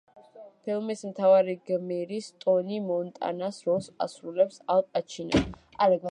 ფილმის მთავარი გმირის ტონი მონტანას როლს ასრულებს ალ პაჩინო.